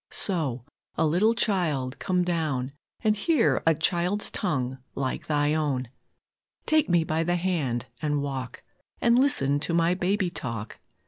So, a little Child, come down And hear a child's tongue like Thy own; Take me by the hand and walk, And listen to my baby talk.